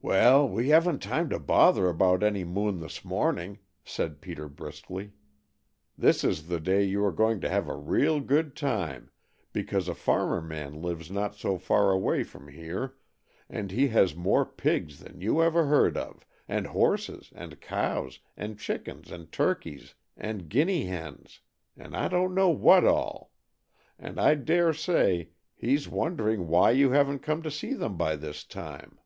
"Well, we haven't time to bother about any moon this morning," said Peter briskly. "This is the day you are going to have a real good time, because a farmer man lives not so far away from here, and he has more pigs than you ever heard of, and horses, and cows, and chickens, and turkeys, and guinea hens, and I don't know what all, and I dare say he's wondering why you haven't come to see them by this time.